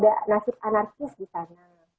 ada nasib anarkis di sana